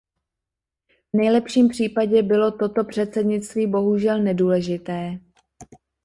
V nejlepším případě bylo toto předsednictví bohužel nedůležité.